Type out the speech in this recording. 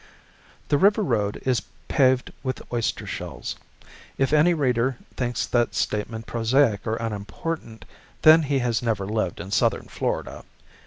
The river road is paved with oyster shells. If any reader thinks that statement prosaic or unimportant, then he has never lived in southern Florida.